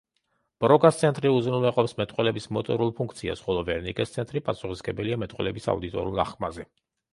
ბროკას ცენტრი უზრუნველყოფს მეტყველების მოტორულ ფუნქციას, ხოლო ვერნიკეს ცენტრი პასუხისმგებელია მეტყველების აუდიტორულ აღქმაზე.